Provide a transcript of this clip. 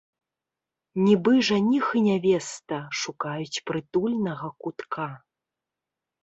Нібы жаніх і нявеста, шукаюць прытульнага кутка.